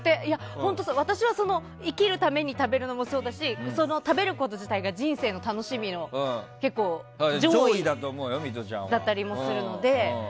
本当、私は生きるために食べるのものそうだし食べること自体が人生の楽しみの上位だったりもするので。